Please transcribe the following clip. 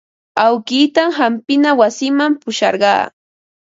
Awkiitan hampina wasiman pusharqaa.